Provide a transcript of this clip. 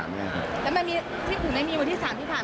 แล้วมันมีที่ผมไม่มีวันที่๓ที่ผ่านมา